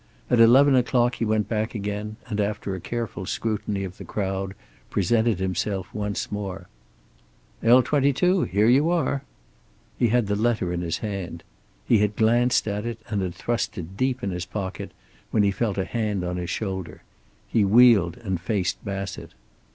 At eleven o'clock he went back again, and after a careful scrutiny of the crowd presented himself once more. "L 22? Here you are." He had the letter in his hand. He had glanced at it and had thrust it deep in his pocket, when he felt a hand on his shoulder. He wheeled and faced Bassett.